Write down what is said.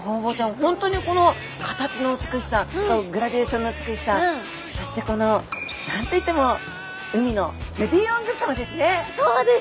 本当にこの形の美しさグラデーションの美しさそしてこの何と言っても海のジュディ・オングさまですね。